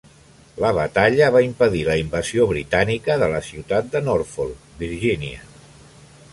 La batalla va impedir la invasió britànica de la ciutat de Norfolk, Virgínia.